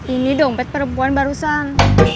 ini dompet perempuan barusan